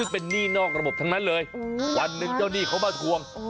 เป็นหนี้นอกระบบทั้งนั้นเลยวันหนึ่งเจ้าหนี้เขามาทวง